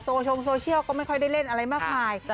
ชงโซเชียลก็ไม่ค่อยได้เล่นอะไรมากมาย